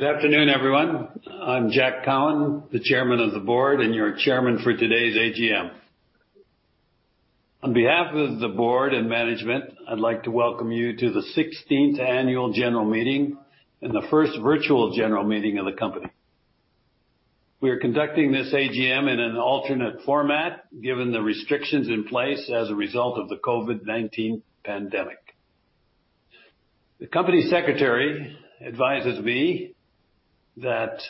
Good afternoon, everyone. I'm Jack Cowin, the Chairman of the Board and your Chairman for today's AGM. On behalf of the Board and Management, I'd like to welcome you to the 16th Annual General Meeting and the first Virtual General Meeting of the Company. We are conducting this AGM in an alternate format given the restrictions in place as a result of the COVID-19 pandemic. The Company Secretary advises me that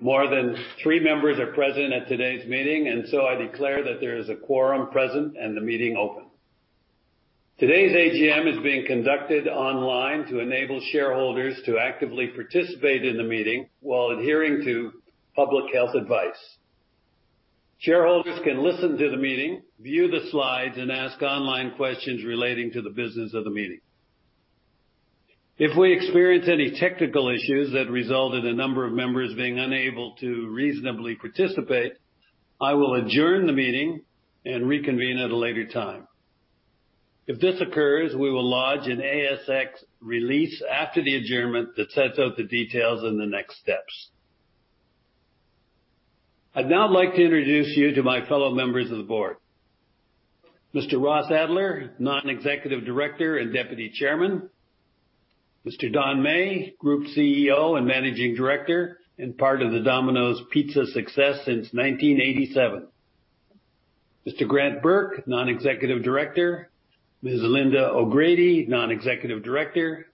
more than three members are present at today's meeting, and so I declare that there is a quorum present and the meeting open. Today's AGM is being conducted online to enable shareholders to actively participate in the meeting while adhering to public health advice. Shareholders can listen to the meeting, view the slides, and ask online questions relating to the business of the meeting. If we experience any technical issues that result in a number of members being unable to reasonably participate, I will adjourn the meeting and reconvene at a later time. If this occurs, we will lodge an ASX release after the adjournment that sets out the details and the next steps. I'd now like to introduce you to my fellow members of the Board: Mr. Ross Adler, Non-Executive Director and Deputy Chairman, Mr. Don Meij, Group CEO and Managing Director and part of the Domino's Pizza success since 1987, Mr. Grant Bourke, Non-Executive Director, Ms. Lynda O'Grady, Non-Executive Director,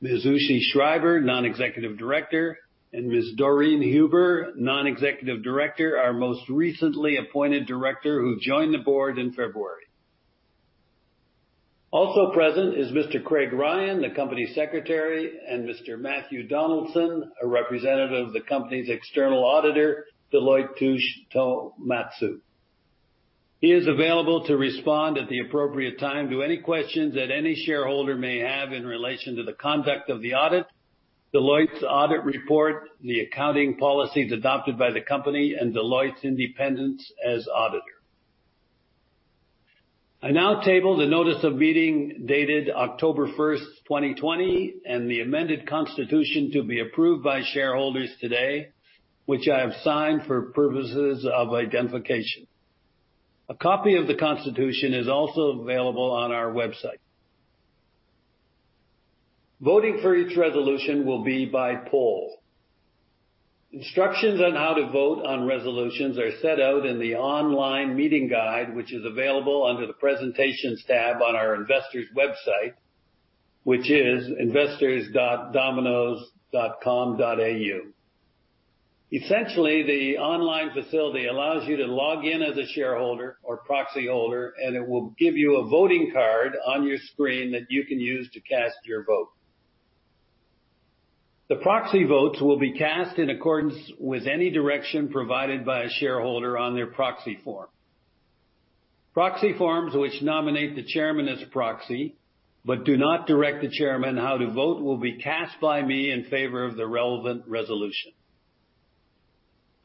Ms. Uschi Schreiber, Non-Executive Director, and Ms. Doreen Huber, Non-Executive Director, our most recently appointed Director who joined the Board in February. Also present is Mr. Craig Ryan, the Company Secretary, and Mr. Matthew Donaldson, a representative of the Company's External Auditor, Deloitte Touche Tohmatsu. He is available to respond at the appropriate time to any questions that any shareholder may have in relation to the conduct of the audit, Deloitte's audit report, the accounting policies adopted by the Company, and Deloitte's independence as Auditor. I now table the Notice of Meeting dated October 1, 2020, and the amended Constitution to be approved by shareholders today, which I have signed for purposes of identification. A copy of the Constitution is also available on our website. Voting for each resolution will be by poll. Instructions on how to vote on resolutions are set out in the online meeting guide, which is available under the Presentations tab on our Investors website, which is investors.dominos.com.au. Essentially, the online facility allows you to log in as a shareholder or proxy holder, and it will give you a voting card on your screen that you can use to cast your vote. The proxy votes will be cast in accordance with any direction provided by a shareholder on their proxy form. Proxy forms which nominate the Chairman as a proxy but do not direct the Chairman how to vote will be cast by me in favor of the relevant resolution.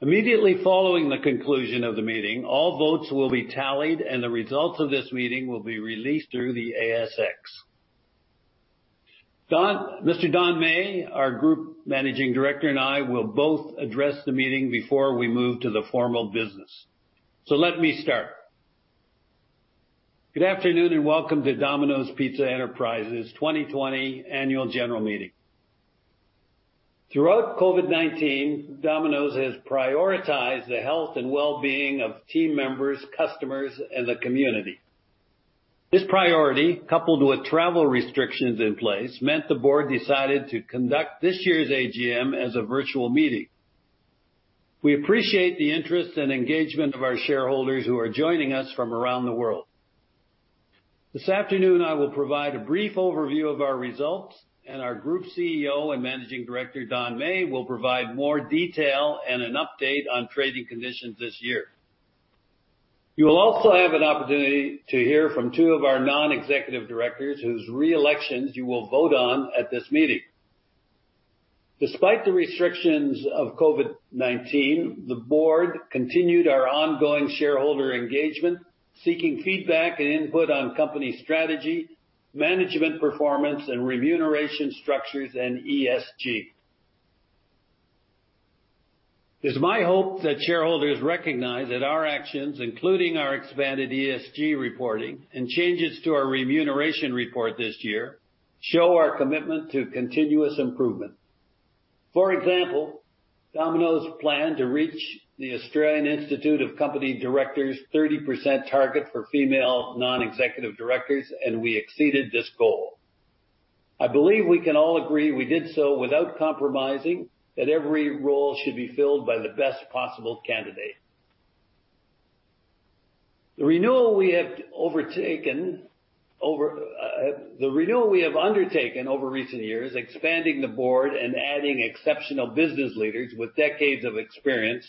Immediately following the conclusion of the meeting, all votes will be tallied, and the results of this meeting will be released through the ASX. Mr. Don Meij, our Group Managing Director, and I will both address the meeting before we move to the formal business. So let me start. Good afternoon and welcome to Domino's Pizza Enterprises' 2020 Annual General Meeting. Throughout COVID-19, Domino's has prioritized the health and well-being of team members, customers, and the community. This priority, coupled with travel restrictions in place, meant the Board decided to conduct this year's AGM as a virtual meeting. We appreciate the interest and engagement of our shareholders who are joining us from around the world. This afternoon, I will provide a brief overview of our results, and our Group CEO and Managing Director, Don Meij, will provide more detail and an update on trading conditions this year. You will also have an opportunity to hear from two of our Non-Executive Directors whose reelections you will vote on at this meeting. Despite the restrictions of COVID-19, the Board continued our ongoing shareholder engagement, seeking feedback and input on Company strategy, management performance, and remuneration structures and ESG. It is my hope that shareholders recognize that our actions, including our expanded ESG reporting and changes to our remuneration report this year, show our commitment to continuous improvement. For example, Domino's planned to reach the Australian Institute of Company Directors' 30% target for female Non-Executive Directors, and we exceeded this goal. I believe we can all agree we did so without compromising that every role should be filled by the best possible candidate. The renewal we have undertaken over recent years, expanding the Board and adding exceptional business leaders with decades of experience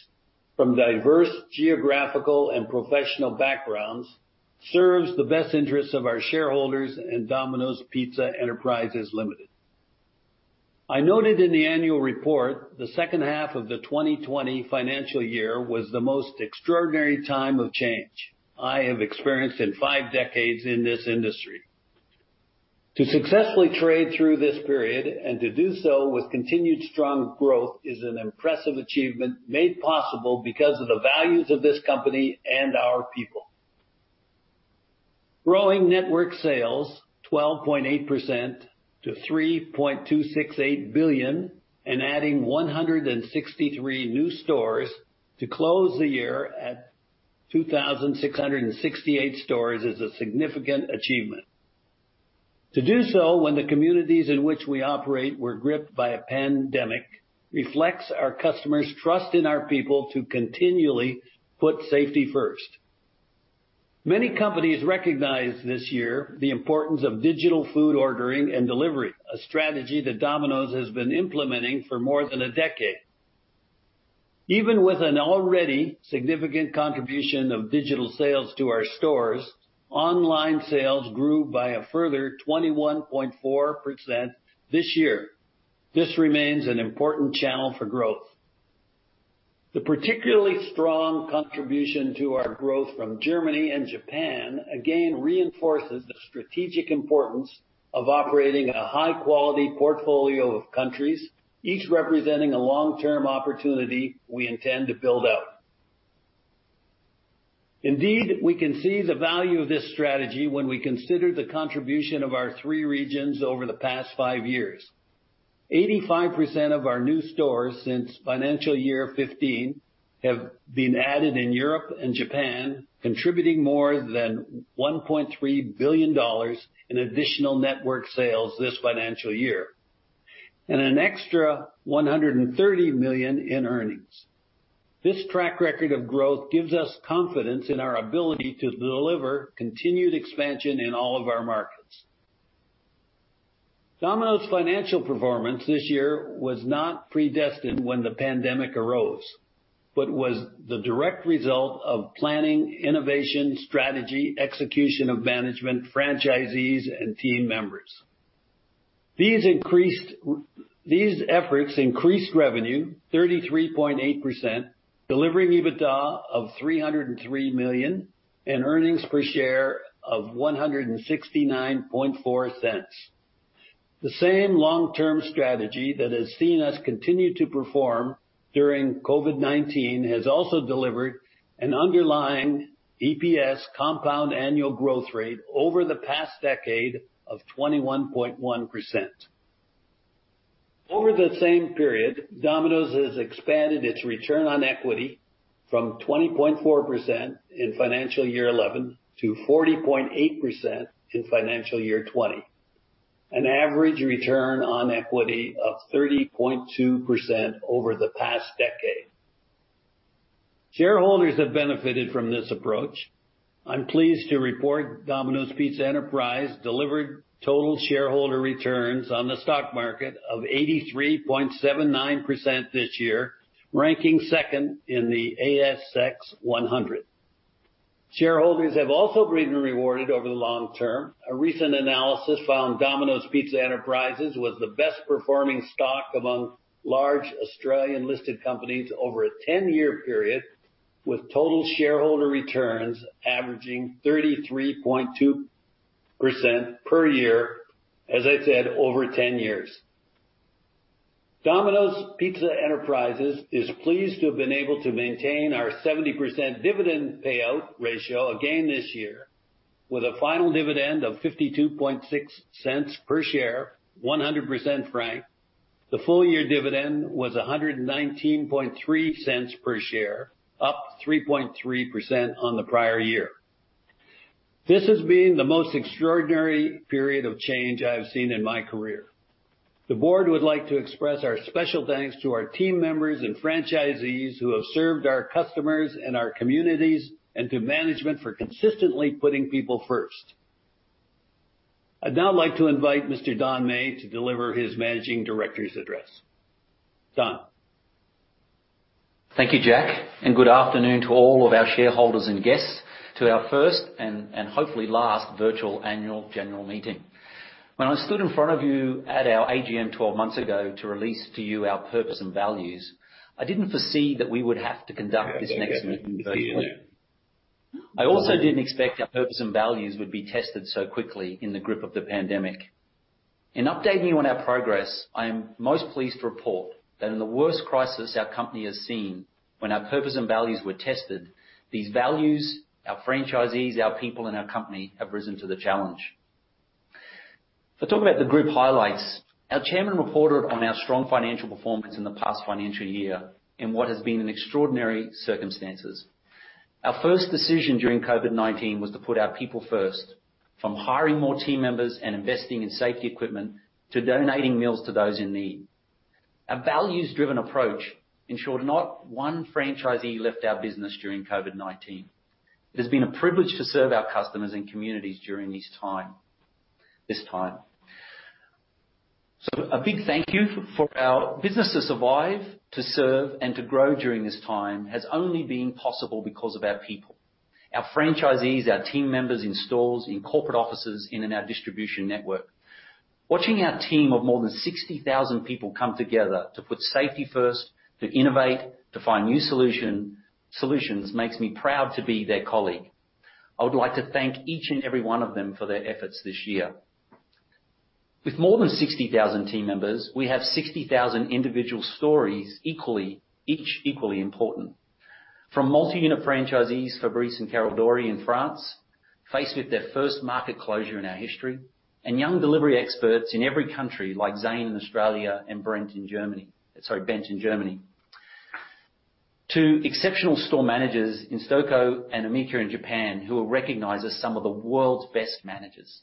from diverse geographical and professional backgrounds, serves the best interests of our shareholders and Domino's Pizza Enterprises Limited. I noted in the Annual Report the second half of the 2020 financial year was the most extraordinary time of change I have experienced in five decades in this industry. To successfully trade through this period and to do so with continued strong growth is an impressive achievement made possible because of the values of this Company and our people. Growing network sales 12.8% to $3.268 billion and adding 163 new stores to close the year at 2,668 stores is a significant achievement. To do so when the communities in which we operate were gripped by a pandemic reflects our customers' trust in our people to continually put safety first. Many companies recognize this year the importance of digital food ordering and delivery, a strategy that Domino's has been implementing for more than a decade. Even with an already significant contribution of digital sales to our stores, online sales grew by a further 21.4% this year. This remains an important channel for growth. The particularly strong contribution to our growth from Germany and Japan again reinforces the strategic importance of operating a high-quality portfolio of countries, each representing a long-term opportunity we intend to build out. Indeed, we can see the value of this strategy when we consider the contribution of our three regions over the past five years. 85% of our new stores since financial year 2015 have been added in Europe and Japan, contributing more than 1.3 billion dollars in additional network sales this financial year and an extra 130 million in earnings. This track record of growth gives us confidence in our ability to deliver continued expansion in all of our markets. Domino's financial performance this year was not predestined when the pandemic arose but was the direct result of planning, innovation, strategy, execution of management, franchisees, and team members. These efforts increased revenue 33.8%, delivering EBITDA of $303 million and earnings per share of $0.169. The same long-term strategy that has seen us continue to perform during COVID-19 has also delivered an underlying EPS compound annual growth rate over the past decade of 21.1%. Over the same period, Domino's has expanded its return on equity from 20.4% in financial year 2011 to 40.8% in financial year 2020, an average return on equity of 30.2% over the past decade. Shareholders have benefited from this approach. I'm pleased to report Domino's Pizza Enterprises delivered total shareholder returns on the stock market of 83.79% this year, ranking second in the ASX 100. Shareholders have also been rewarded over the long term. A recent analysis found Domino's Pizza Enterprises was the best-performing stock among large Australian-listed companies over a 10-year period, with total shareholder returns averaging 33.2% per year, as I said, over 10 years. Domino's Pizza Enterprises is pleased to have been able to maintain our 70% dividend payout ratio again this year, with a final dividend of 0.526 per share, 100% franked. The full-year dividend was 119.30 per share, up 3.3% on the prior year. This has been the most extraordinary period of change I have seen in my career. The Board would like to express our special thanks to our team members and franchisees who have served our customers and our communities and to management for consistently putting people first. I'd now like to invite Mr. Don Meij to deliver his Managing Director's address. Don. Thank you, Jack, and good afternoon to all of our shareholders and guests to our first and hopefully last Virtual Annual General Meeting. When I stood in front of you at our AGM 12 months ago to release to you our purpose and values, I didn't foresee that we would have to conduct this next meeting virtually. I also didn't expect our purpose and values would be tested so quickly in the grip of the pandemic. In updating you on our progress, I am most pleased to report that in the worst crisis our Company has seen, when our purpose and values were tested, these values, our franchisees, our people, and our Company have risen to the challenge. To talk about the Group highlights, our Chairman reported on our strong financial performance in the past financial year in what has been extraordinary circumstances. Our first decision during COVID-19 was to put our people first, from hiring more team members and investing in safety equipment to donating meals to those in need. Our values-driven approach ensured not one franchisee left our business during COVID-19. It has been a privilege to serve our customers and communities during this time. So a big thank you. For our business to survive, to serve, and to grow during this time has only been possible because of our people, our franchisees, our team members in stores, in corporate offices, and in our distribution network. Watching our team of more than 60,000 people come together to put safety first, to innovate, to find new solutions makes me proud to be their colleague. I would like to thank each and every one of them for their efforts this year. With more than 60,000 team members, we have 60,000 individual stories equally important, from multi-unit franchisees, Fabrice and Carole Dory in France, faced with their first market closure in our history, and young delivery experts in every country like Zane in Australia and Brent in Germany to exceptional store managers in Shohei and Emika in Japan who are recognized as some of the world's best managers.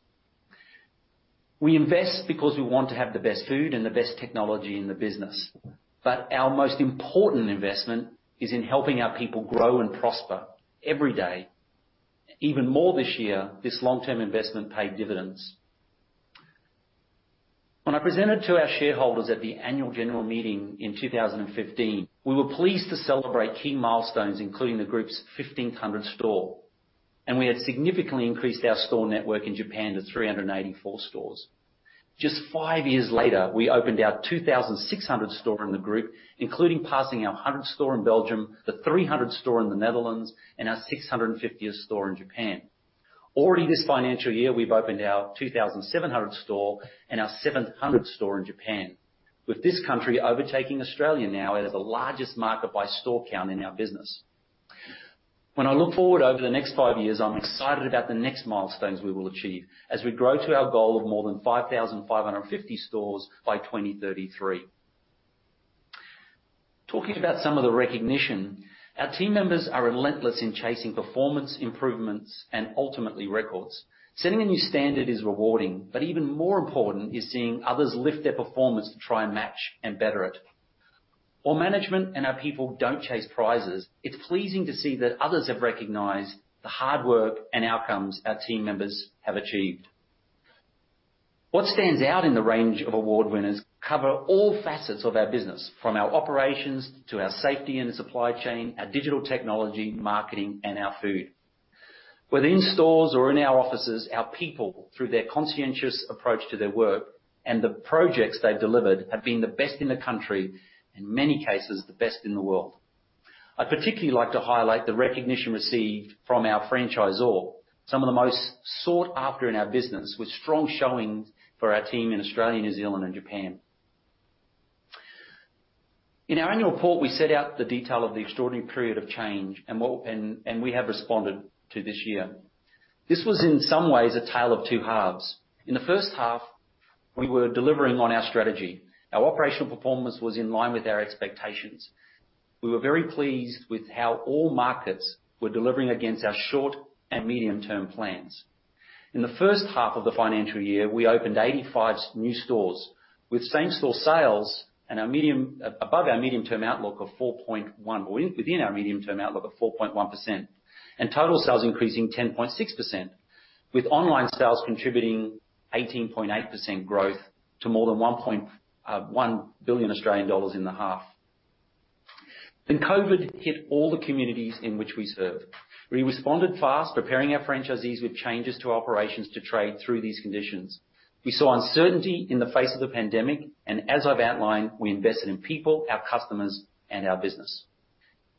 We invest because we want to have the best food and the best technology in the business, but our most important investment is in helping our people grow and prosper every day. Even more this year, this long-term investment paid dividends. When I presented to our shareholders at the Annual General Meeting in 2015, we were pleased to celebrate key milestones including the Group's 1,500 store, and we had significantly increased our store network in Japan to 384 stores. Just five years later, we opened our 2,600th store in the Group, including passing our 100th store in Belgium, the 300th store in the Netherlands, and our 650th store in Japan. Already this financial year, we've opened our 2,700th store and our 700th store in Japan, with this country overtaking Australia now as the largest market by store count in our business. When I look forward over the next five years, I'm excited about the next milestones we will achieve as we grow to our goal of more than 5,550 stores by 2033. Talking about some of the recognition, our team members are relentless in chasing performance improvements and ultimately records. Setting a new standard is rewarding, but even more important is seeing others lift their performance to try and better it. While management and our people don't chase prizes, it's pleasing to see that others have recognized the hard work and outcomes our team members have achieved. What stands out in the range of award winners cover all facets of our business, from our operations to our safety and supply chain, our digital technology, marketing, and our food. Whether in stores or in our offices, our people, through their conscientious approach to their work and the projects they've delivered, have been the best in the country and, in many cases, the best in the world. I'd particularly like to highlight the recognition received from our franchisor, some of the most sought after in our business, with strong showings for our team in Australia, New Zealand, and Japan. In our Annual Report, we set out the detail of the extraordinary period of change and what we have responded to this year. This was, in some ways, a tale of two halves. In the first half, we were delivering on our strategy. Our operational performance was in line with our expectations. We were very pleased with how all markets were delivering against our short and medium-term plans. In the first half of the financial year, we opened 85 new stores with same-store sales and above our medium-term outlook of 4.1%, within our medium-term outlook of 4.1%, and total sales increasing 10.6%, with online sales contributing 18.8% growth to more than 1 billion Australian dollars in the half. Then COVID hit all the communities in which we served. We responded fast, preparing our franchisees with changes to operations to trade through these conditions. We saw uncertainty in the face of the pandemic, and as I've outlined, we invested in people, our customers, and our business.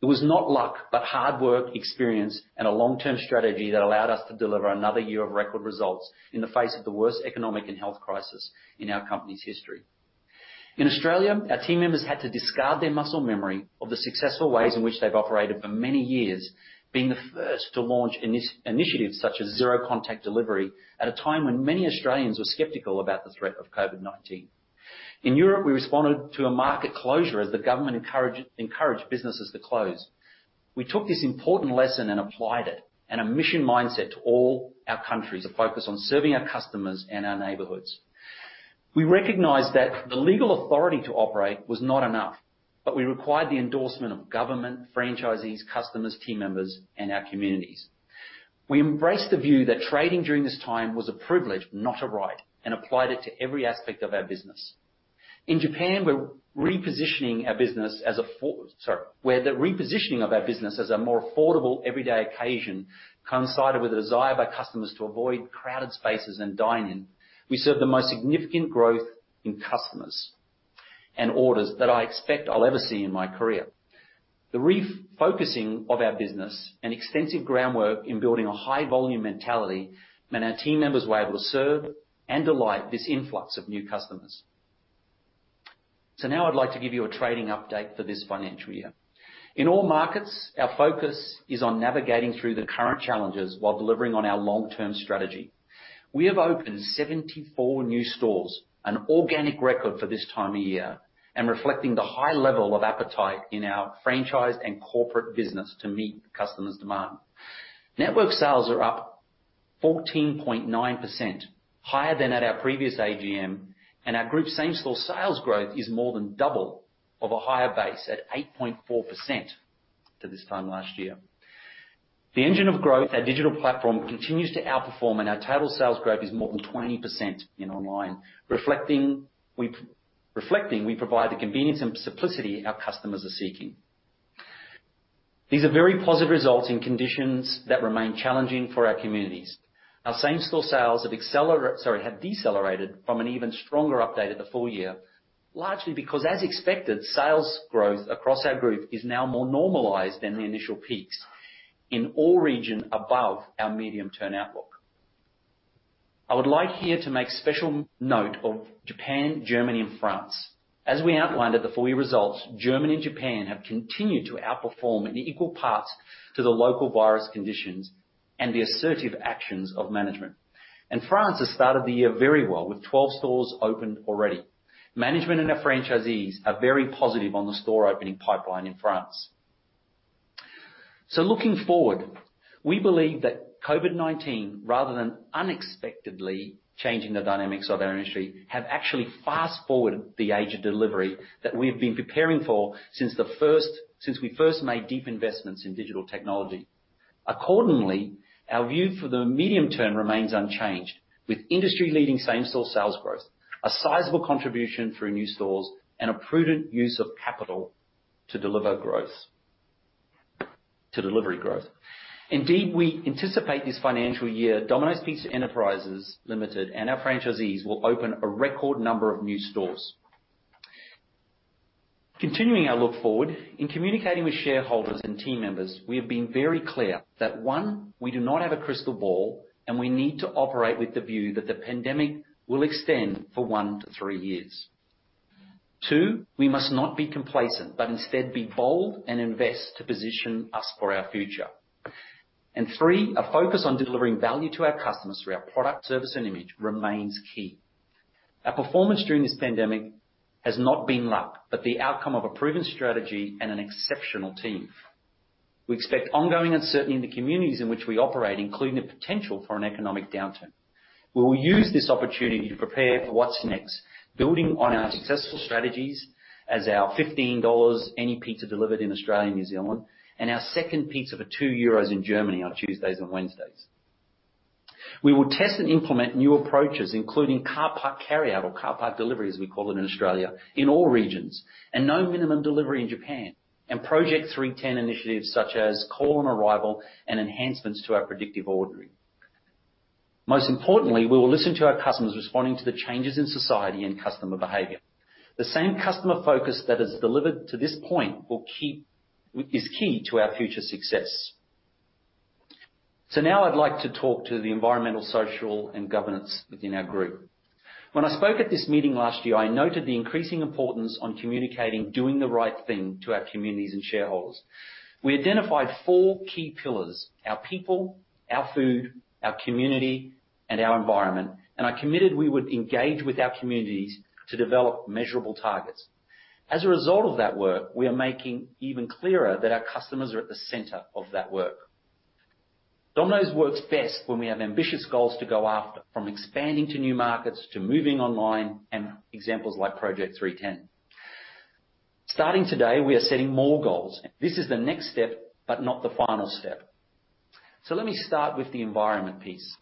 It was not luck but hard work, experience, and a long-term strategy that allowed us to deliver another year of record results in the face of the worst economic and health crisis in our Company's history. In Australia, our team members had to discard their muscle memory of the successful ways in which they've operated for many years, being the first to launch initiatives such as Zero Contact Delivery at a time when many Australians were skeptical about the threat of COVID-19. In Europe, we responded to a market closure as the government encouraged businesses to close. We took this important lesson and applied it, and a mission mindset to all our countries of focus on serving our customers and our neighborhoods. We recognized that the legal authority to operate was not enough, but we required the endorsement of government, franchisees, customers, team members, and our communities. We embraced the view that trading during this time was a privilege, not a right, and applied it to every aspect of our business. In Japan, where the repositioning of our business as a more affordable everyday occasion coincided with a desire by customers to avoid crowded spaces and dining, we served the most significant growth in customers and orders that I expect I'll ever see in my career. The refocusing of our business and extensive groundwork in building a high-volume mentality meant our team members were able to serve and delight this influx of new customers. So now I'd like to give you a trading update for this financial year. In all markets, our focus is on navigating through the current challenges while delivering on our long-term strategy. We have opened 74 new stores, an organic record for this time of year, and reflecting the high level of appetite in our franchise and corporate business to meet customers' demand. Network sales are up 14.9%, higher than at our previous AGM, and our Group same-store sales growth is more than double of a higher base at 8.4% to this time last year. The engine of growth, our digital platform, continues to outperform, and our total sales growth is more than 20% in online, reflecting we provide the convenience and simplicity our customers are seeking. These are very positive results in conditions that remain challenging for our communities. Our same-store sales have decelerated from an even stronger update at the full year, largely because, as expected, sales growth across our Group is now more normalized than the initial peaks in all regions above our medium-term outlook. I would like here to make special note of Japan, Germany, and France. As we outlined at the full-year results, Germany and Japan have continued to outperform in equal parts to the local virus conditions and the assertive actions of management. And France has started the year very well with 12 stores opened already. Management and our franchisees are very positive on the store-opening pipeline in France. So looking forward, we believe that COVID-19, rather than unexpectedly changing the dynamics of our industry, has actually fast-forwarded the age of delivery that we have been preparing for since we first made deep investments in digital technology. Accordingly, our view for the medium term remains unchanged, with industry-leading same-store sales growth, a sizable contribution through new stores, and a prudent use of capital to deliver delivery growth. Indeed, we anticipate this financial year Domino's Pizza Enterprises Limited and our franchisees will open a record number of new stores. Continuing our look forward, in communicating with shareholders and team members, we have been very clear that, one, we do not have a crystal ball, and we need to operate with the view that the pandemic will extend for one to three years. Two, we must not be complacent but instead be bold and invest to position us for our future. And three, a focus on delivering value to our customers through our product, service, and image remains key. Our performance during this pandemic has not been luck, but the outcome of a proven strategy and an exceptional team. We expect ongoing uncertainty in the communities in which we operate, including the potential for an economic downturn. We will use this opportunity to prepare for what's next, building on our successful strategies as our 15 dollars any pizza delivered in Australia and New Zealand and our second pizza for 2 euros in Germany on Tuesdays and Wednesdays. We will test and implement new approaches, including car park carryout or Car Park Delivery, as we call it in Australia, in all regions and no minimum delivery in Japan and Project 3TEN initiatives such as call on arrival and enhancements to our predictive ordering. Most importantly, we will listen to our customers responding to the changes in society and customer behavior. The same customer focus that has delivered to this point is key to our future success. So now I'd like to talk to the environmental, social, and governance within our Group. When I spoke at this meeting last year, I noted the increasing importance on communicating doing the right thing to our communities and shareholders. We identified four key pillars: our people, our food, our community, and our environment, and I committed we would engage with our communities to develop measurable targets. As a result of that work, we are making even clearer that our customers are at the center of that work. Domino's works best when we have ambitious goals to go after, from expanding to new markets to moving online and examples like Project 3TEN. Starting today, we are setting more goals. This is the next step but not the final step. So let me start with the environment piece.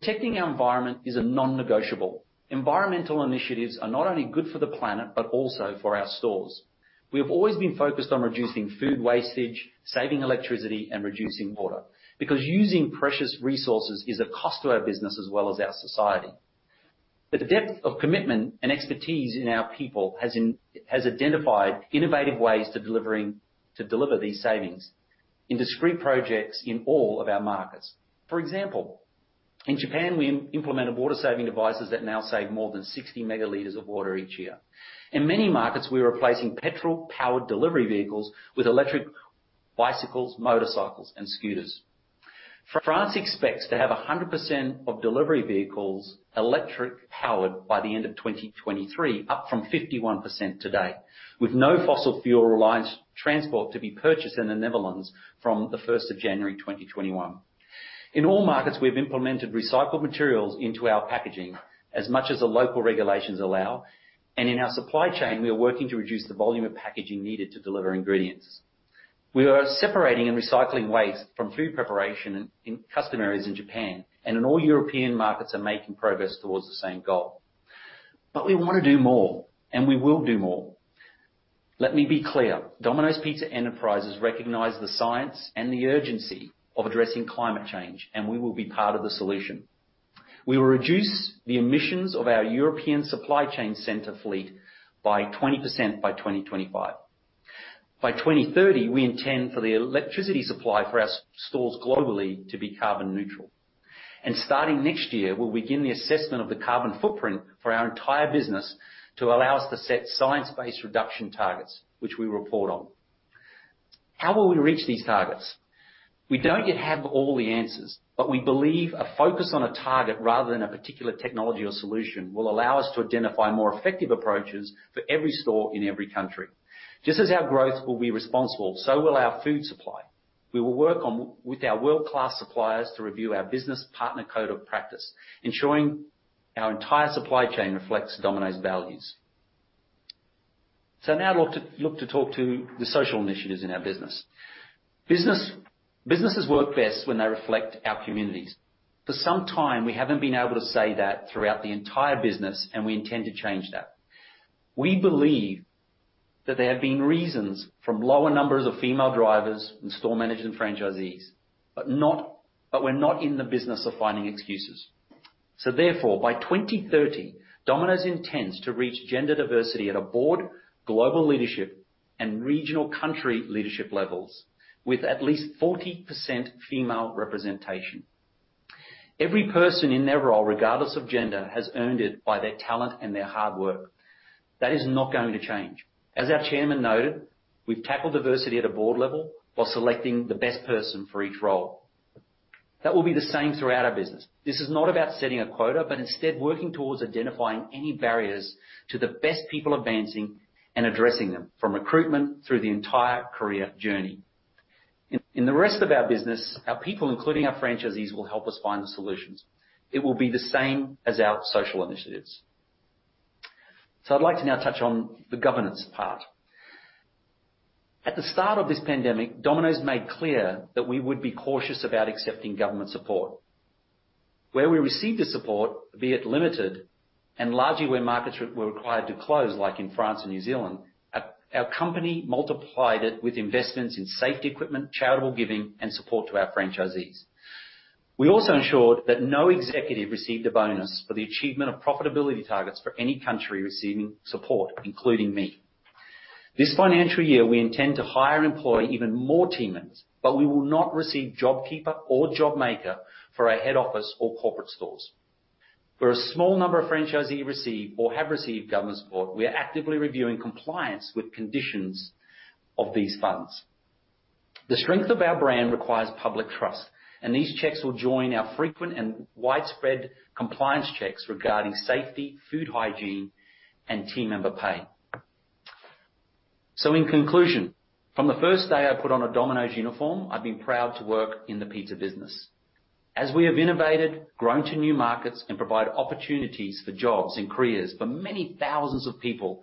Protecting our environment is a non-negotiable. Environmental initiatives are not only good for the planet but also for our stores. We have always been focused on reducing food wastage, saving electricity, and reducing water because using precious resources is a cost to our business as well as our society. The depth of commitment and expertise in our people has identified innovative ways to deliver these savings in discrete projects in all of our markets. For example, in Japan, we implemented water-saving devices that now save more than 60 megaliters of water each year. In many markets, we are replacing petrol-powered delivery vehicles with electric bicycles, motorcycles, and scooters. France expects to have 100% of delivery vehicles electric-powered by the end of 2023, up from 51% today, with no fossil-fuel-reliant transport to be purchased in the Netherlands from the 1st of January 2021. In all markets, we have implemented recycled materials into our packaging as much as the local regulations allow, and in our supply chain, we are working to reduce the volume of packaging needed to deliver ingredients. We are separating and recycling waste from food preparation in custom areas in Japan, and in all European markets, we are making progress towards the same goal. But we want to do more, and we will do more. Let me be clear. Domino's Pizza Enterprises recognize the science and the urgency of addressing climate change, and we will be part of the solution. We will reduce the emissions of our European supply chain center fleet by 20% by 2025. By 2030, we intend for the electricity supply for our stores globally to be carbon neutral. And starting next year, we'll begin the assessment of the carbon footprint for our entire business to allow us to set science-based reduction targets, which we report on. How will we reach these targets? We don't yet have all the answers, but we believe a focus on a target rather than a particular technology or solution will allow us to identify more effective approaches for every store in every country. Just as our growth will be responsible, so will our food supply. We will work with our world-class suppliers to review our business partner code of practice, ensuring our entire supply chain reflects Domino's values. So now I'd like to talk to the social initiatives in our business. Businesses work best when they reflect our communities. For some time, we haven't been able to say that throughout the entire business, and we intend to change that. We believe that there have been reasons from lower numbers of female drivers and store managers and franchisees, but we're not in the business of finding excuses. So therefore, by 2030, Domino's intends to reach gender diversity at a board, global leadership, and regional country leadership levels with at least 40% female representation. Every person in their role, regardless of gender, has earned it by their talent and their hard work. That is not going to change. As our Chairman noted, we've tackled diversity at a board level while selecting the best person for each role. That will be the same throughout our business. This is not about setting a quota, but instead working towards identifying any barriers to the best people advancing and addressing them from recruitment through the entire career journey. In the rest of our business, our people, including our franchisees, will help us find the solutions. It will be the same as our social initiatives. So I'd like to now touch on the governance part. At the start of this pandemic, Domino's made clear that we would be cautious about accepting government support. Where we received the support, be it limited and largely where markets were required to close, like in France and New Zealand, our company multiplied it with investments in safety equipment, charitable giving, and support to our franchisees. We also ensured that no executive received a bonus for the achievement of profitability targets for any country receiving support, including me. This financial year, we intend to hire and employ even more team members, but we will not receive JobKeeper or JobMaker for our head office or corporate stores. For a small number of franchisees who receive or have received government support, we are actively reviewing compliance with conditions of these funds. The strength of our brand requires public trust, and these checks will join our frequent and widespread compliance checks regarding safety, food hygiene, and team member pay. So in conclusion, from the first day I put on a Domino's uniform, I've been proud to work in the pizza business. As we have innovated, grown to new markets, and provided opportunities for jobs and careers for many thousands of people,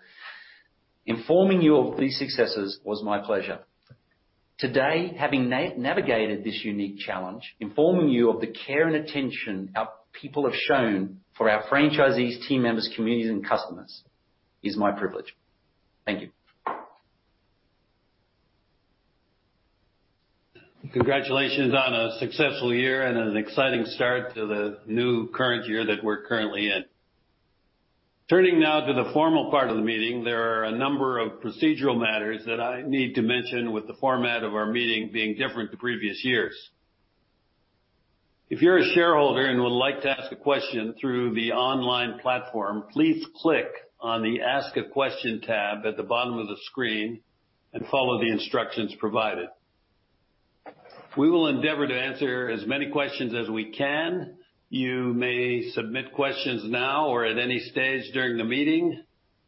informing you of these successes was my pleasure. Today, having navigated this unique challenge, informing you of the care and attention our people have shown for our franchisees, team members, communities, and customers is my privilege. Thank you. Congratulations on a successful year and an exciting start to the new current year that we're currently in. Turning now to the formal part of the meeting, there are a number of procedural matters that I need to mention, with the format of our meeting being different to previous years. If you're a shareholder and would like to ask a question through the online platform, please click on the Ask a Question tab at the bottom of the screen and follow the instructions provided. We will endeavor to answer as many questions as we can. You may submit questions now or at any stage during the meeting.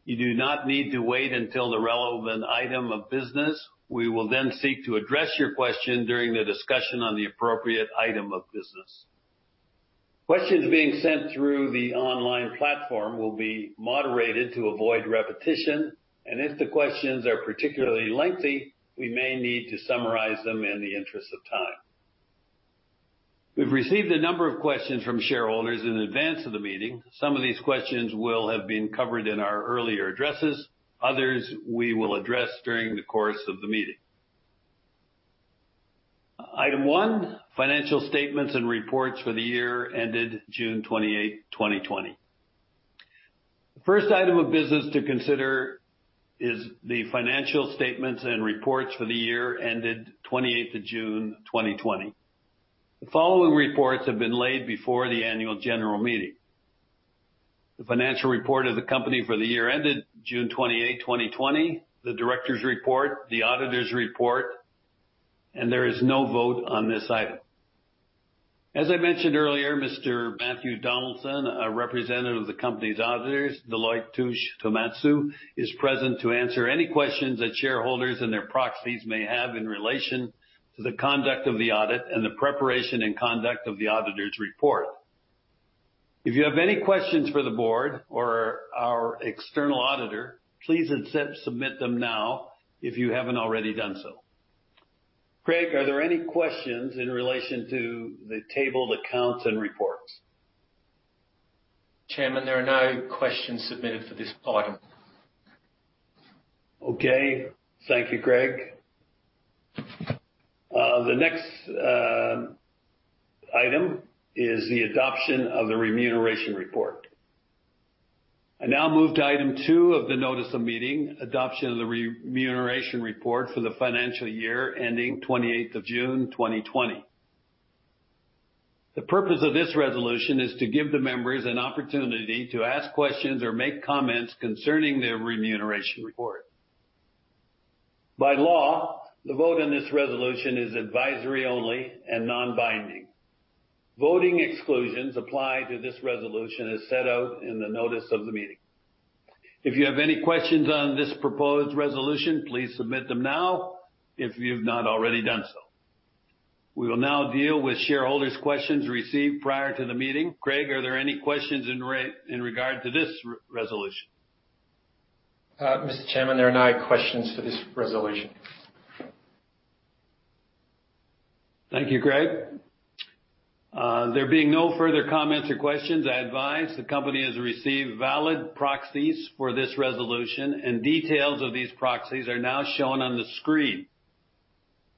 You do not need to wait until the relevant item of business. We will then seek to address your question during the discussion on the appropriate item of business. Questions being sent through the online platform will be moderated to avoid repetition, and if the questions are particularly lengthy, we may need to summarize them in the interest of time. We've received a number of questions from shareholders in advance of the meeting. Some of these questions will have been covered in our earlier addresses. Others we will address during the course of the meeting. Item 1, financial statements and reports for the year ended June 28, 2020. The first item of business to consider is the financial statements and reports for the year ended 28th of June, 2020. The following reports have been laid before the annual general meeting. The financial report of the company for the year ended June 28, 2020, the director's report, the auditor's report, and there is no vote on this item. As I mentioned earlier, Mr. Matthew Donaldson, a representative of the company's auditors, Deloitte Touche Tohmatsu, is present to answer any questions that shareholders and their proxies may have in relation to the conduct of the audit and the preparation and conduct of the auditor's report. If you have any questions for the board or our external auditor, please submit them now if you haven't already done so. Craig, are there any questions in relation to the tabled accounts and reports? Chairman, there are no questions submitted for this item. Okay. Thank you, Craig. The next item is the adoption of the remuneration report. I now move to Item 2 of the notice of meeting, adoption of the remuneration report for the financial year ending 28th of June, 2020. The purpose of this resolution is to give the members an opportunity to ask questions or make comments concerning their remuneration report. By law, the vote on this resolution is advisory only and non-binding. Voting exclusions apply to this resolution as set out in the notice of the meeting. If you have any questions on this proposed resolution, please submit them now if you've not already done so. We will now deal with shareholders' questions received prior to the meeting. Craig, are there any questions in regard to this resolution? Mr. Chairman, there are no questions for this resolution. Thank you, Craig. There being no further comments or questions, I advise the company has received valid proxies for this resolution, and details of these proxies are now shown on the screen.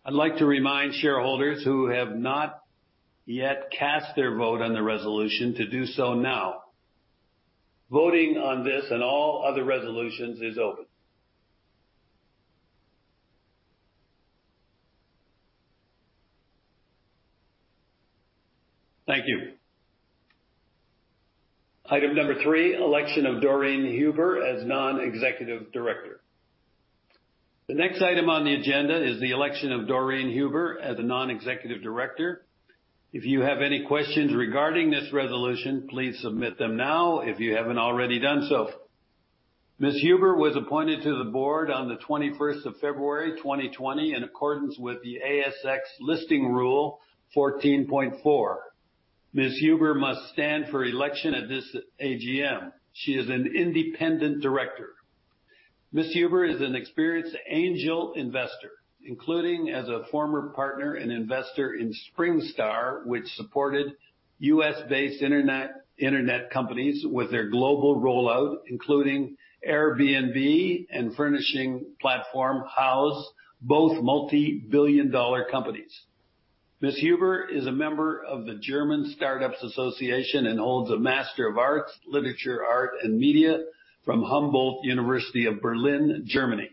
I'd like to remind shareholders who have not yet cast their vote on the resolution to do so now. Voting on this and all other resolutions is open. Thank you. Item number three, election of Doreen Huber as non-executive director. The next item on the agenda is the election of Doreen Huber as a non-executive director. If you have any questions regarding this resolution, please submit them now if you haven't already done so. Ms. Huber was appointed to the board on the 21st of February, 2020, in accordance with the ASX Listing Rule 14.4. Ms. Huber must stand for election at this AGM. She is an independent director. Ms. Huber is an experienced angel investor, including as a former partner and investor in Springstar, which supported U.S.-based internet companies with their global rollout, including Airbnb and furnishing platform Houzz, both multi-billion-dollar companies. Ms. Huber is a member of the German Startups Association and holds a Master of Arts, Literature, Art, and Media from Humboldt University of Berlin, Germany.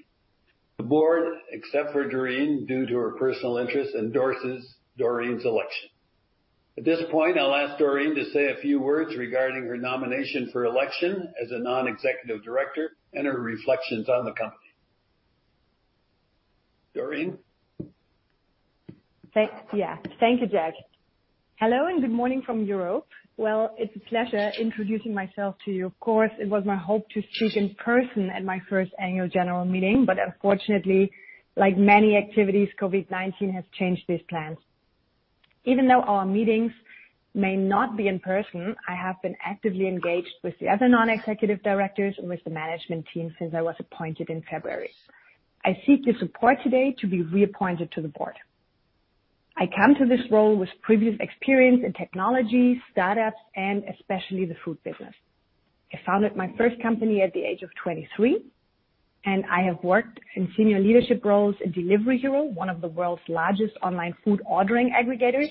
The board, except for Doreen due to her personal interests, endorses Doreen's election. At this point, I'll ask Doreen to say a few words regarding her nomination for election as a non-executive director and her reflections on the company. Doreen? Yeah. Thank you, Jack. Hello and good morning from Europe. Well, it's a pleasure introducing myself to you. Of course, it was my hope to speak in person at my first annual general meeting, but unfortunately, like many activities, COVID-19 has changed these plans. Even though our meetings may not be in person, I have been actively engaged with the other non-executive directors and with the management team since I was appointed in February. I seek your support today to be reappointed to the board. I come to this role with previous experience in technology, startups, and especially the food business. I founded my first company at the age of 23, and I have worked in senior leadership roles at Delivery Hero, one of the world's largest online food ordering aggregators,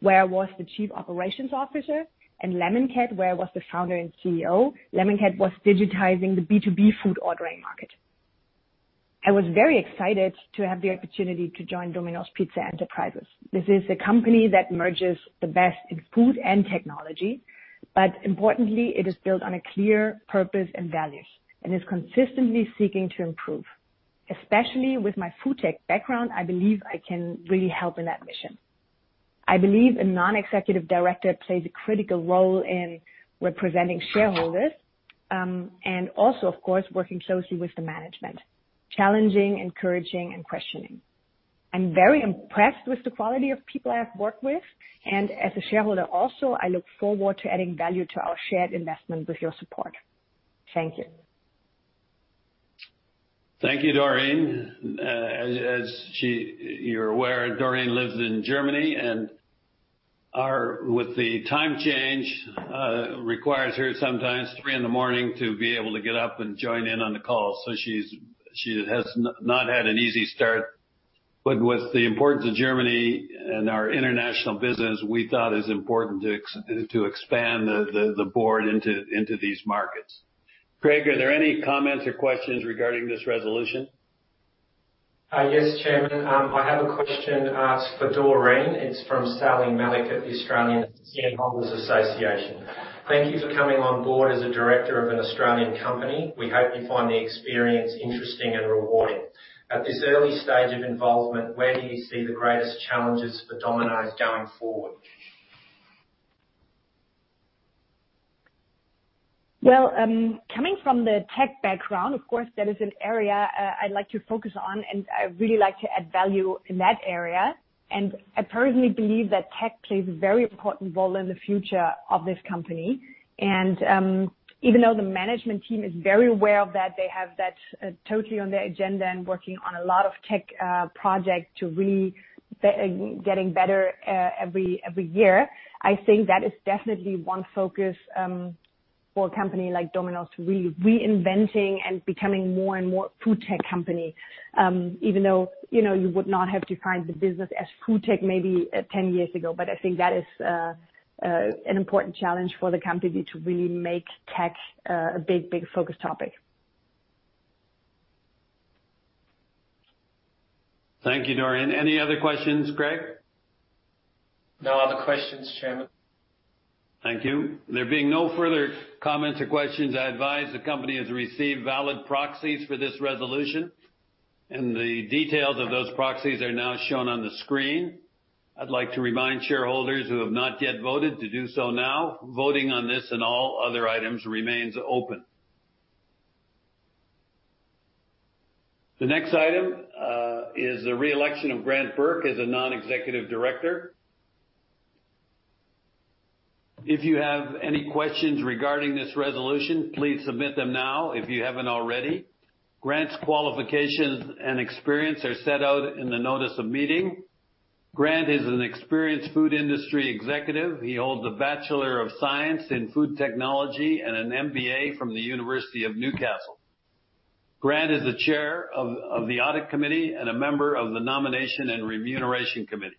where I was the chief operations officer, and Lemoncat, where I was the founder and CEO. Lemoncat was digitizing the B2B food ordering market. I was very excited to have the opportunity to join Domino's Pizza Enterprises. This is a company that merges the best in food and technology, but importantly, it is built on a clear purpose and values and is consistently seeking to improve. Especially with my food tech background, I believe I can really help in that mission. I believe a non-executive director plays a critical role in representing shareholders and also, of course, working closely with the management, challenging, encouraging, and questioning. I'm very impressed with the quality of people I have worked with, and as a shareholder also, I look forward to adding value to our shared investment with your support. Thank you. Thank you, Doreen. As you're aware, Doreen lives in Germany, and with the time change required here sometimes, 3:00 A.M., to be able to get up and join in on the call, so she has not had an easy start, but with the importance of Germany and our international business, we thought it was important to expand the board into these markets. Craig, are there any comments or questions regarding this resolution? Yes, Chairman. I have a question asked for Doreen. It's from Sally Mellick at the Australian Shareholders' Association. Thank you for coming on board as a director of an Australian company. We hope you find the experience interesting and rewarding. At this early stage of involvement, where do you see the greatest challenges for Domino's going forward? Coming from the tech background, of course, that is an area I'd like to focus on, and I really like to add value in that area. I personally believe that tech plays a very important role in the future of this company. Even though the management team is very aware of that, they have that totally on their agenda and working on a lot of tech projects to really get better every year, I think that is definitely one focus for a company like Domino's to really reinvent and becoming more and more a food tech company, even though you would not have defined the business as food tech maybe 10 years ago. But I think that is an important challenge for the company to really make tech a big, big focus topic. Thank you, Doreen. Any other questions, Craig? No other questions, Chairman. Thank you. There being no further comments or questions, I advise the company has received valid proxies for this resolution, and the details of those proxies are now shown on the screen. I'd like to remind shareholders who have not yet voted to do so now, voting on this and all other items remains open. The next item is the reelection of Grant Bourke as a non-executive director. If you have any questions regarding this resolution, please submit them now if you haven't already. Grant's qualifications and experience are set out in the notice of meeting. Grant is an experienced food industry executive. He holds a Bachelor of Science in Food Technology and an MBA from the University of Newcastle. Grant is the Chair of the Audit Committee and a member of the Nomination and Remuneration Committee.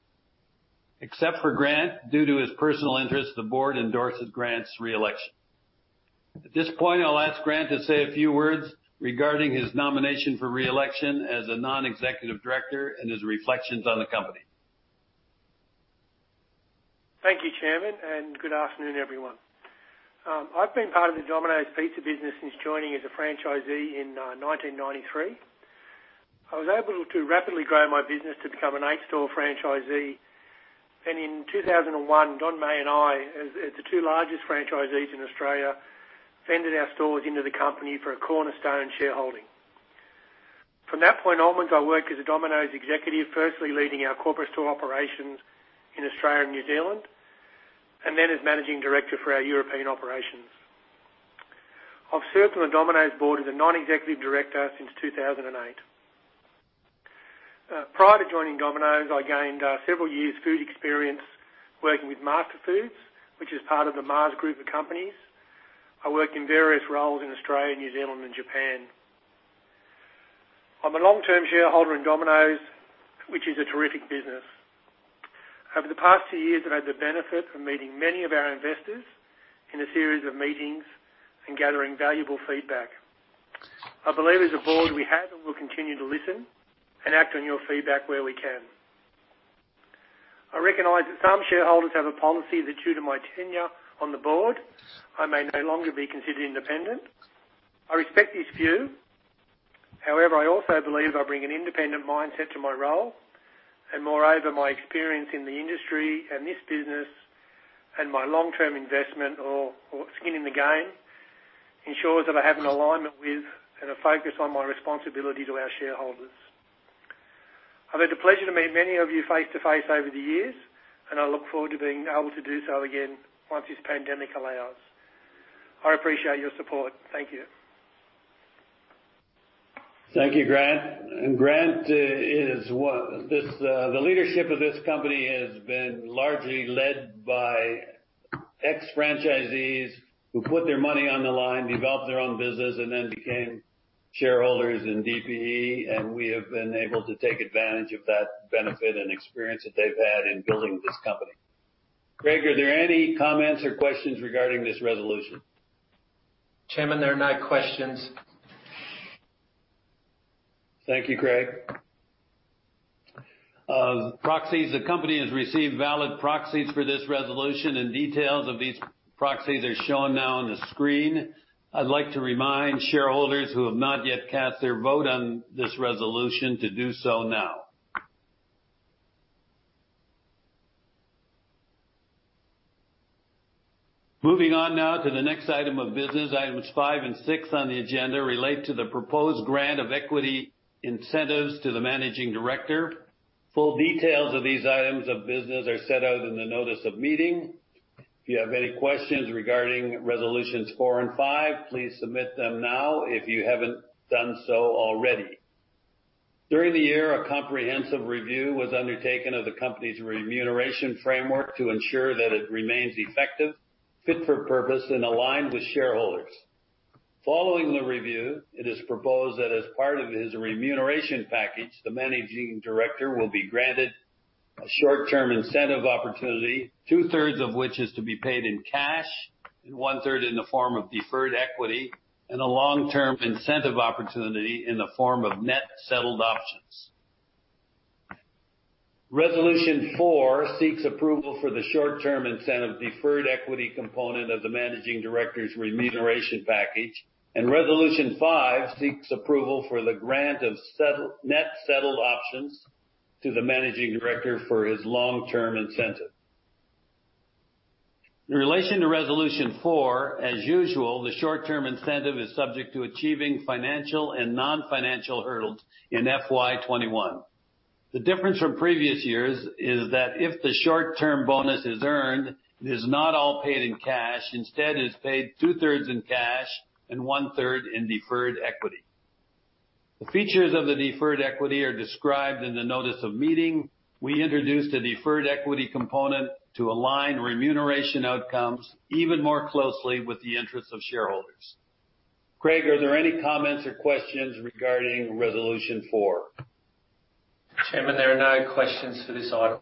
Except for Grant, due to his personal interests, the board endorses Grant's reelection. At this point, I'll ask Grant to say a few words regarding his nomination for reelection as a non-executive director and his reflections on the company. Thank you, Chairman, and good afternoon, everyone. I've been part of the Domino's Pizza business since joining as a franchisee in 1993. I was able to rapidly grow my business to become an eight-store franchisee, and in 2001, Don Meij and I, as the two largest franchisees in Australia, vended our stores into the company for a cornerstone shareholding. From that point onwards, I worked as a Domino's executive, firstly leading our corporate store operations in Australia and New Zealand, and then as managing director for our European operations. I've served on the Domino's board as a non-executive director since 2008. Prior to joining Domino's, I gained several years' food experience working with MasterFoods, which is part of the Mars Group of companies. I worked in various roles in Australia, New Zealand, and Japan. I'm a long-term shareholder in Domino's, which is a terrific business. Over the past two years, I've had the benefit of meeting many of our investors in a series of meetings and gathering valuable feedback. I believe as a board, we have and will continue to listen and act on your feedback where we can. I recognize that some shareholders have a policy that due to my tenure on the board, I may no longer be considered independent. I respect these few. However, I also believe I bring an independent mindset to my role, and moreover, my experience in the industry and this business and my long-term investment or skin in the game ensures that I have an alignment with and a focus on my responsibility to our shareholders. I've had the pleasure to meet many of you face-to-face over the years, and I look forward to being able to do so again once this pandemic allows. I appreciate your support. Thank you. Thank you, Grant. And Grant, the leadership of this company has been largely led by ex-franchisees who put their money on the line, developed their own business, and then became shareholders in DPE, and we have been able to take advantage of that benefit and experience that they've had in building this company. Craig, are there any comments or questions regarding this resolution? Chairman, there are no questions. Thank you, Craig. Proxies, the company has received valid proxies for this resolution, and details of these proxies are shown now on the screen. I'd like to remind shareholders who have not yet cast their vote on this resolution to do so now. Moving on now to the next item of business. Items five and six on the agenda relate to the proposed grant of equity incentives to the Managing Director. Full details of these items of business are set out in the notice of meeting. If you have any questions regarding resolutions 4 and 5, please submit them now if you haven't done so already. During the year, a comprehensive review was undertaken of the company's remuneration framework to ensure that it remains effective, fit for purpose, and aligned with shareholders. Following the review, it is proposed that as part of his remuneration package, the Managing Director will be granted a short-term incentive opportunity, two-thirds of which is to be paid in cash and one-third in the form of deferred equity, and a long-term incentive opportunity in the form of net settled options. Resolution 4 seeks approval for the short-term incentive deferred equity component of the Managing Director's remuneration package, and Resolution 5 seeks approval for the grant of net settled options to the Managing Director for his long-term incentive. In relation to Resolution 4, as usual, the short-term incentive is subject to achieving financial and non-financial hurdles in FY21. The difference from previous years is that if the short-term bonus is earned, it is not all paid in cash; instead, it is paid two-thirds in cash and one-third in deferred equity. The features of the deferred equity are described in the notice of meeting. We introduced a deferred equity component to align remuneration outcomes even more closely with the interests of shareholders. Craig, are there any comments or questions regarding Resolution 4? Chairman, there are no questions for this item.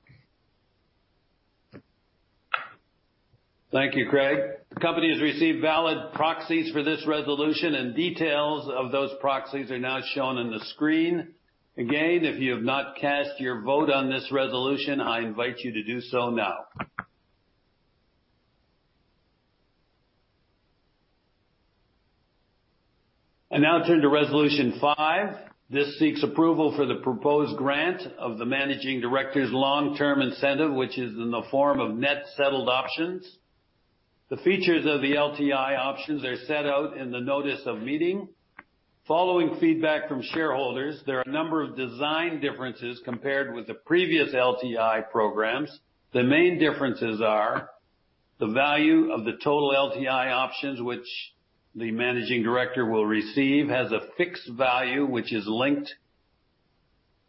Thank you, Craig. The company has received valid proxies for this resolution, and details of those proxies are now shown on the screen. Again, if you have not cast your vote on this resolution, I invite you to do so now. I now turn to Resolution 5. This seeks approval for the proposed grant of the Managing Director's long-term incentive, which is in the form of net settled options. The features of the LTI options are set out in the notice of meeting. Following feedback from shareholders, there are a number of design differences compared with the previous LTI programs. The main differences are the value of the total LTI options, which the Managing Director will receive, has a fixed value which is linked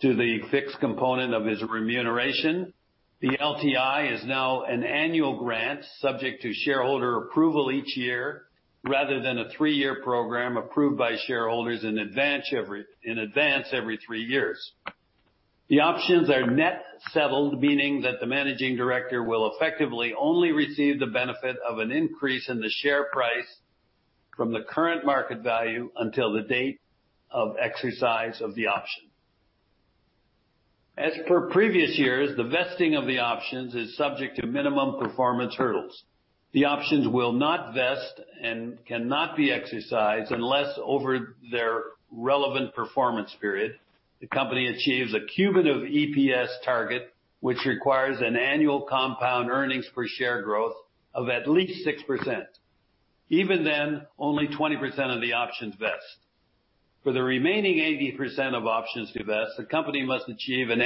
to the fixed component of his remuneration. The LTI is now an annual grant subject to shareholder approval each year rather than a three-year program approved by shareholders in advance every three years. The options are net settled, meaning that the Managing Director will effectively only receive the benefit of an increase in the share price from the current market value until the date of exercise of the option. As per previous years, the vesting of the options is subject to minimum performance hurdles. The options will not vest and cannot be exercised unless over their relevant performance period, the company achieves a cumulative EPS target, which requires an annual compound earnings per share growth of at least 6%. Even then, only 20% of the options vest. For the remaining 80% of options to vest, the company must achieve an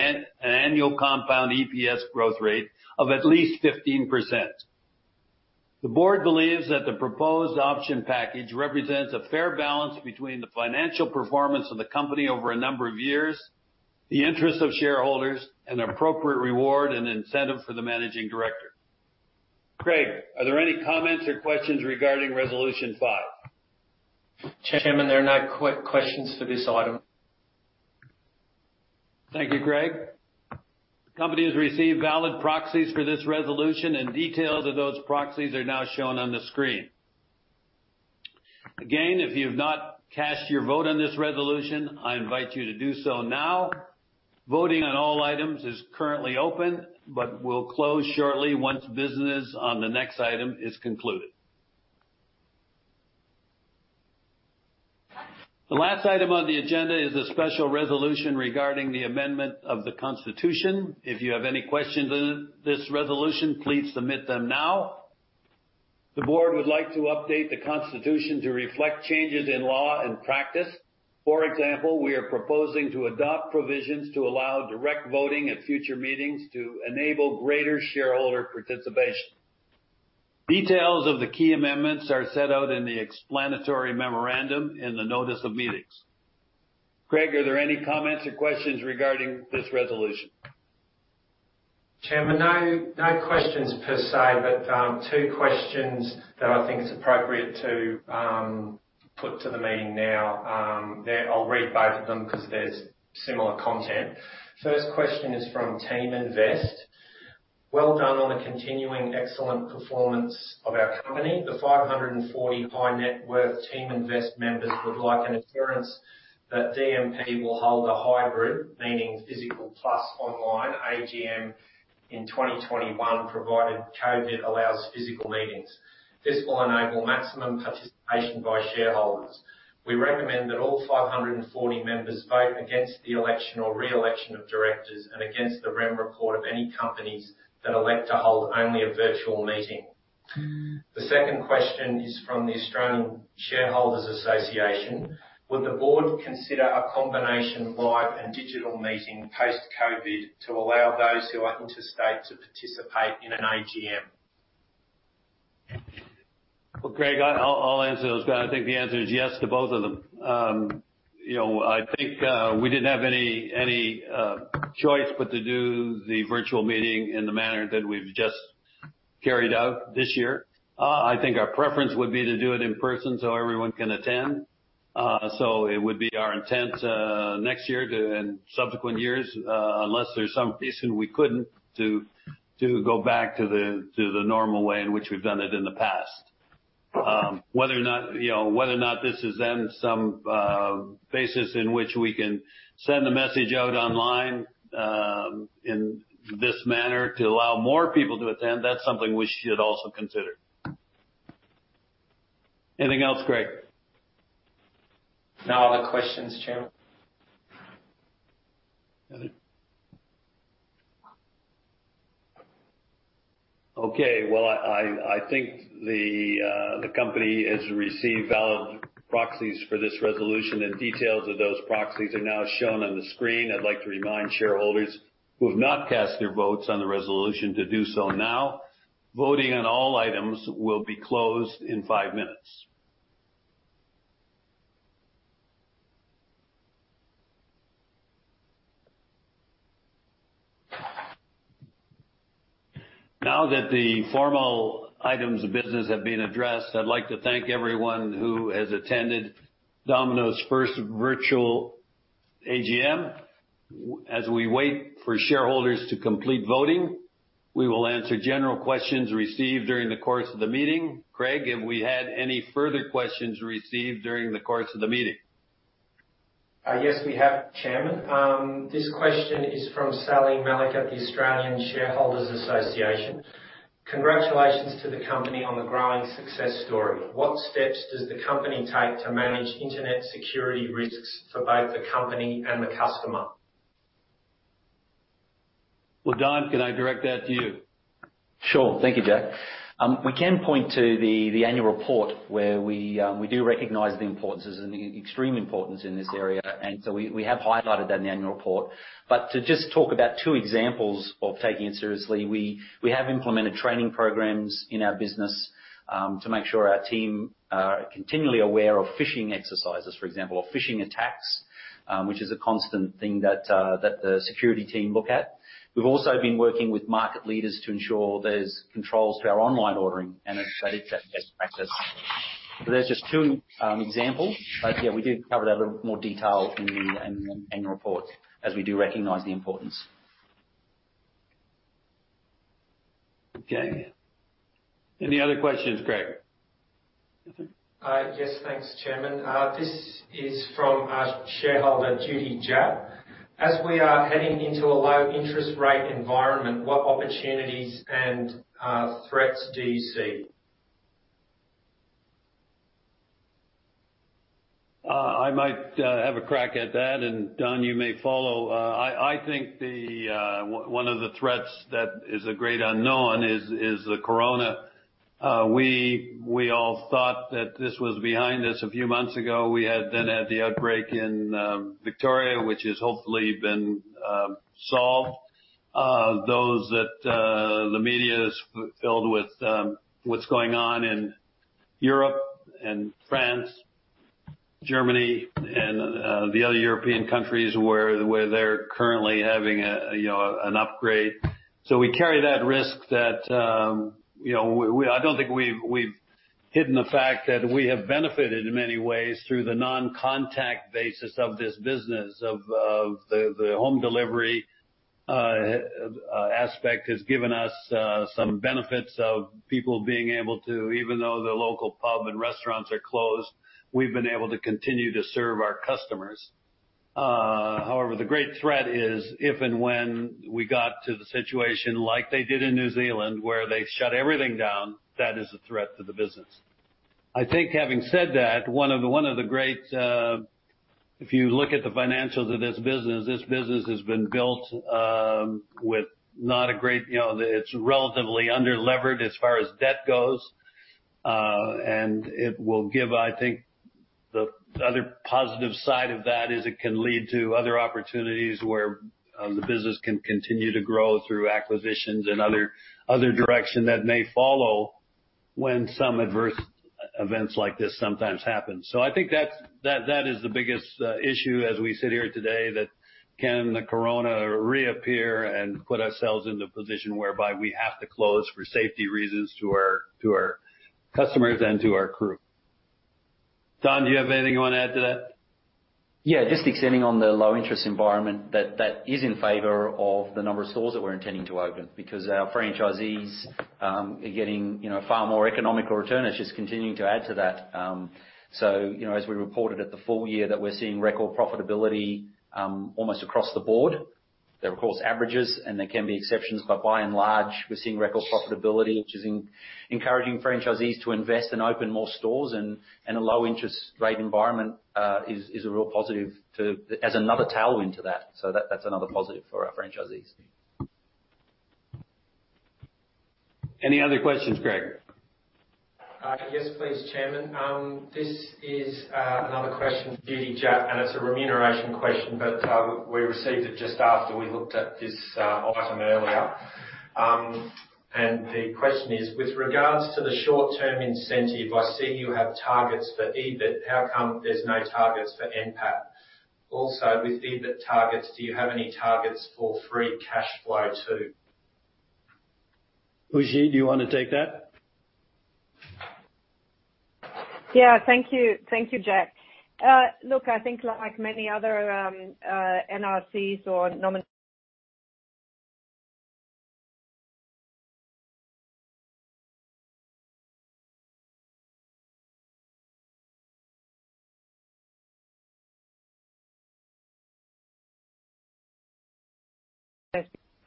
annual compound EPS growth rate of at least 15%. The board believes that the proposed option package represents a fair balance between the financial performance of the company over a number of years, the interests of shareholders, and appropriate reward and incentive for the managing director. Craig, are there any comments or questions regarding Resolution 5? Chairman, there are no questions for this item. Thank you, Craig. The company has received valid proxies for this resolution, and details of those proxies are now shown on the screen. Again, if you have not cast your vote on this resolution, I invite you to do so now. Voting on all items is currently open, but we'll close shortly once business on the next item is concluded. The last item on the agenda is a special resolution regarding the amendment of the Constitution. If you have any questions on this resolution, please submit them now. The board would like to update the Constitution to reflect changes in law and practice. For example, we are proposing to adopt provisions to allow direct voting at future meetings to enable greater shareholder participation. Details of the key amendments are set out in the explanatory memorandum in the notice of meetings. Craig, are there any comments or questions regarding this resolution? Chairman, no questions per se, but two questions that I think it's appropriate to put to the meeting now. I'll read both of them because they're similar content. First question is from Teaminvest. Well done on the continuing excellent performance of our company. The 540 high-net-worth Teaminvest members would like an assurance that DMP will hold a hybrid, meaning physical plus online, AGM in 2021, provided COVID allows physical meetings. This will enable maximum participation by shareholders. We recommend that all 540 members vote against the election or reelection of directors and against the Rem Report of any companies that elect to hold only a virtual meeting. The second question is from the Australian Shareholders' Association. Would the board consider a combination live and digital meeting post-COVID to allow those who are interstate to participate in an AGM? Well, Craig, I'll answer those. I think the answer is yes to both of them. I think we didn't have any choice but to do the virtual meeting in the manner that we've just carried out this year. I think our preference would be to do it in person so everyone can attend. So it would be our intent next year and subsequent years, unless there's some reason we couldn't, to go back to the normal way in which we've done it in the past. Whether or not this is then some basis in which we can send a message out online in this manner to allow more people to attend, that's something we should also consider. Anything else, Craig? No other questions, Chairman. Okay. Well, I think the company has received valid proxies for this resolution, and details of those proxies are now shown on the screen. I'd like to remind shareholders who have not cast their votes on the resolution to do so now. Voting on all items will be closed in five minutes. Now that the formal items of business have been addressed, I'd like to thank everyone who has attended Domino's first virtual AGM. As we wait for shareholders to complete voting, we will answer general questions received during the course of the meeting. Craig, have we had any further questions received during the course of the meeting? Yes, we have, Chairman. This question is from Sally Mellick at the Australian Shareholders' Association. Congratulations to the company on the growing success story. What steps does the company take to manage internet security risks for both the company and the customer? Well, Don, can I direct that to you? Sure. Thank you, Jack. We can point to the annual report where we do recognize the importance, the extreme importance in this area, and so we have highlighted that in the annual report. But to just talk about two examples of taking it seriously, we have implemented training programs in our business to make sure our team are continually aware of phishing exercises, for example, or phishing attacks, which is a constant thing that the security team look at. We've also been working with market leaders to ensure there's controls to our online ordering and that it's best practice. So there's just two examples, but yeah, we did cover that in a little more detail in the annual report as we do recognize the importance. Okay. Any other questions, Craig? Yes, thanks, Chairman. This is from our shareholder, Judy Gabb. As we are heading into a low-interest rate environment, what opportunities and threats do you see? I might have a crack at that, and Don, you may follow. I think one of the threats that is a great unknown is the Corona. We all thought that this was behind us a few months ago. We had then had the outbreak in Victoria, which has hopefully been solved. Though the media is filled with what's going on in Europe and France, Germany, and the other European countries where they're currently having an outbreak. So we carry that risk that I don't think we've hidden the fact that we have benefited in many ways through the non-contact basis of this business, of the home delivery aspect has given us some benefits of people being able to, even though the local pub and restaurants are closed, we've been able to continue to serve our customers. However, the great threat is if and when we got to the situation like they did in New Zealand where they shut everything down, that is a threat to the business. I think having said that, one of the great, if you look at the financials of this business, this business has been built with not a great, it's relatively under-levered as far as debt goes, and it will give, I think, the other positive side of that is it can lead to other opportunities where the business can continue to grow through acquisitions and other directions that may follow when some adverse events like this sometimes happen, so I think that is the biggest issue as we sit here today that can the Corona reappear and put ourselves in the position whereby we have to close for safety reasons to our customers and to our crew. Don, do you have anything you want to add to that? Yeah, just extending on the low-interest environment that is in favor of the number of stores that we're intending to open because our franchisees are getting a far more economical return. It's just continuing to add to that. So as we reported at the full year that we're seeing record profitability almost across the board. There are, of course, averages, and there can be exceptions, but by and large, we're seeing record profitability, which is encouraging franchisees to invest and open more stores, and a low-interest rate environment is a real positive as another tailwind to that. So that's another positive for our franchisees. Any other questions, Craig? Yes, please, Chairman. This is another question for Judy Gabb, and it's a remuneration question, but we received it just after we looked at this item earlier. The question is, with regards to the short-term incentive, I see you have targets for EBIT. How come there's no targets for NPAT? Also, with EBIT targets, do you have any targets for free cash flow too? Uschi, do you want to take that? Yeah, thank you, Jack. Look, I think like many other NRCs or companies,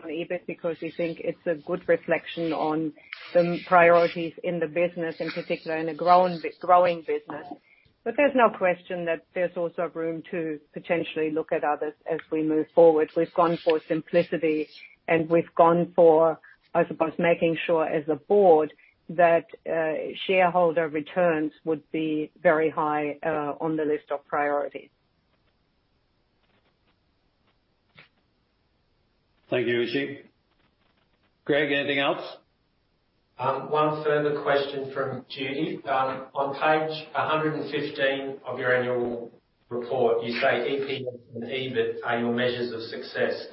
EBIT because we think it's a good reflection on the priorities in the business, in particular in a growing business. But there's no question that there's also room to potentially look at others as we move forward. We've gone for simplicity, and we've gone for, I suppose, making sure as a board that shareholder returns would be very high on the list of priorities. Thank you, Uschi. Craig, anything else? One further question from Judy. On page 115 of your annual report, you say EPS and EBIT are your measures of success.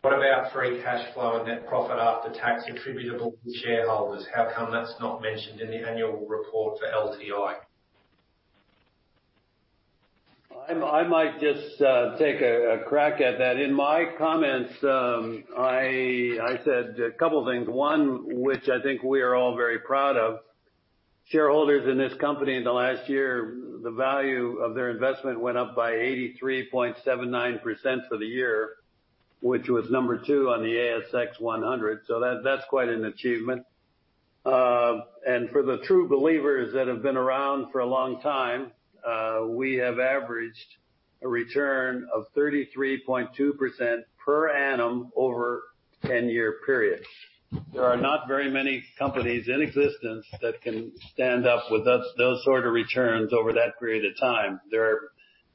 What about free cash flow and net profit after tax attributable to shareholders? How come that's not mentioned in the annual report for LTI? I might just take a crack at that. In my comments, I said a couple of things. One, which I think we are all very proud of, shareholders in this company in the last year, the value of their investment went up by 83.79% for the year, which was number two on the ASX 100. So that's quite an achievement. And for the true believers that have been around for a long time, we have averaged a return of 33.2% per annum over a 10-year period. There are not very many companies in existence that can stand up with those sort of returns over that period of time. There are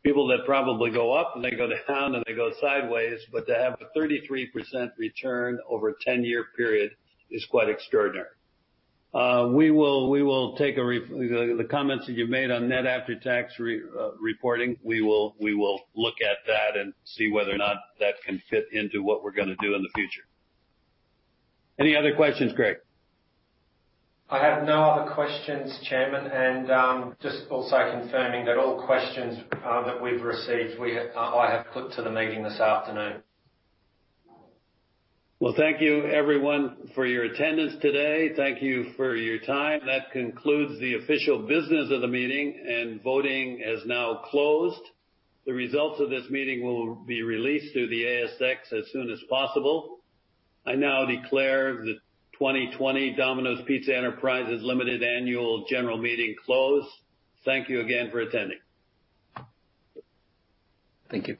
people that probably go up, and they go down, and they go sideways, but to have a 33% return over a 10-year period is quite extraordinary. We will take the comments that you've made on net after-tax reporting. We will look at that and see whether or not that can fit into what we're going to do in the future. Any other questions, Craig? I have no other questions, Chairman, and just also confirming that all questions that we've received, I have put to the meeting this afternoon. Well, thank you, everyone, for your attendance today. Thank you for your time. That concludes the official business of the meeting, and voting is now closed. The results of this meeting will be released through the ASX as soon as possible. I now declare the 2020 Domino's Pizza Enterprises Limited annual general meeting closed. Thank you again for attending. Thank you.